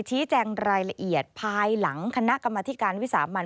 ชี้แจงรายละเอียดภายหลังคณะกรรมธิการวิสามัน